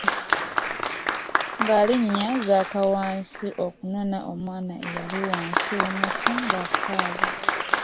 Ngaali nnya zakka wansi okunona omwana eyali wansi w'omuti ng'akaaba.